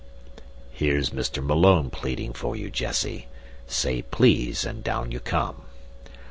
"Here's Mr. Malone pleading for you, Jessie. Say 'please,' and down you come."